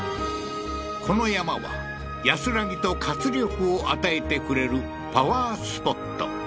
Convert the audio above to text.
この山は安らぎと活力を与えてくれるパワースポット